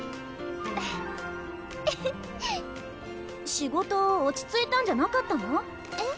仕事落ち着いたんじゃなかったの？え？